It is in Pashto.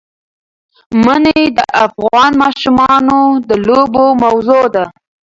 منی د افغان ماشومانو د لوبو موضوع ده.